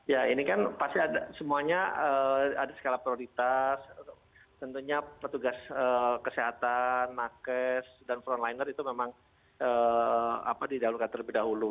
ya ini kan pasti ada semuanya ada skala prioritas tentunya petugas kesehatan nakes dan frontliner itu memang didalukan terlebih dahulu